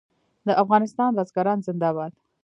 د افغانستان بزګران زنده باد.